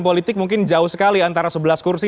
politik mungkin jauh sekali antara sebelas kursi